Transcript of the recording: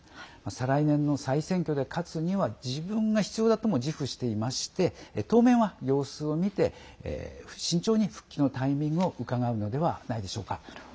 再来年の再選挙で勝つには自分が必要だとも自負していまして当面は様子を見て慎重に復帰のタイミングをうかがうのではないでしょうか。